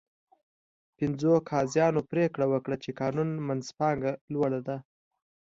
پنځو قاضیانو پرېکړه وکړه چې قانون منځپانګه لوړه ده.